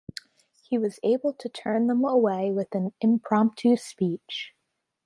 He was able to turn them away with an impromptu speech.